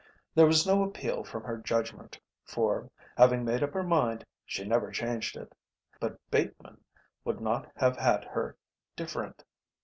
There was no appeal from her judgment, for, having made up her mind, she never changed it. But Bateman would not have had her different.